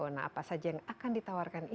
nah apa saja yang akan ditawarkan ini